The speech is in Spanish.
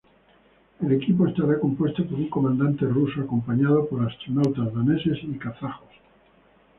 El equipo estará compuesto por un comandante ruso acompañado por astronautas daneses y kazajos.